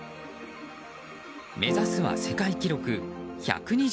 目指すは世界記録１２０ｍ。